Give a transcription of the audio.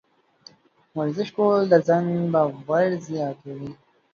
ورزش کول د ځان باور زیاتوي.